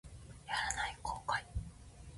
やらない後悔